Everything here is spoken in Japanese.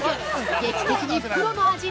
劇的にプロの味に！